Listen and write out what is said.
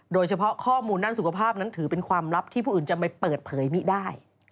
โดยเฉพาะข้อมูลด้านสุขภาพนั้นถือเป็นความลับที่ผู้อื่นจะไม่เปิดเผยไม่ได้